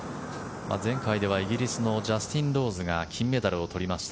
前回ではイギリスのジャスティン・ローズが金メダルを取りました